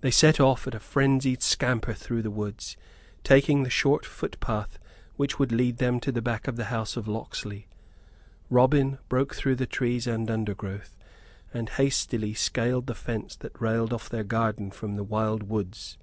They set off at a frenzied scamper through the woods, taking the short footpath which would lead them to the back of the house of Locksley. Robin broke through the trees and undergrowth and hastily scaled the fence that railed off their garden from the wild woods.